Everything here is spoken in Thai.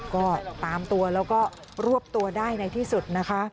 ก็ตามตัวแล้วก็รวบตัวได้ในที่สุดนะคะ